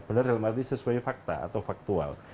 benar dalam arti sesuai fakta atau faktual